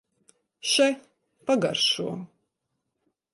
Še, pagaršo!